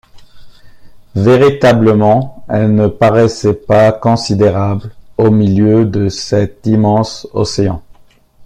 Véritablement, elle ne paraissait pas considérable au milieu de cet immense Océan.